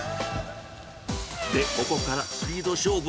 で、ここからスピード勝負。